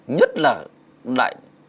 nhất là lại